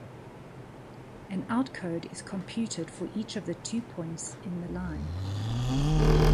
An outcode is computed for each of the two points in the line.